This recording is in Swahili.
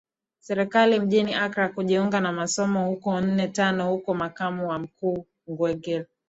serikali mjini Accra kujiunga na masomo hukonne tano Huko makamu wa mkuu Kwegyir